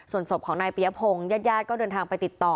ส่วนสมของนายเปียพงยาดก็เดินทางไปติดต่อ